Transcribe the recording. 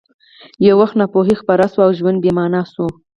یو وخت ناپوهي خپره شوه او ژوند بې مانا شو